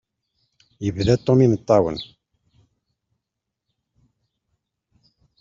Yebda Tom imeṭṭawen.